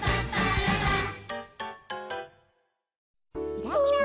ひらひら。